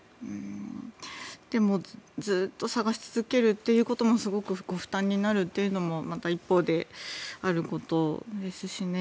でもずっと捜し続けるということもすごくご負担になるというのもまた一方であることですしね。